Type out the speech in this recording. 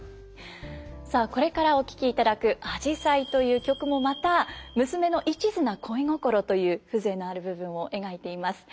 さあこれからお聴きいただく「あじさい」という曲もまた娘の一途な恋心という風情のある部分を描いています。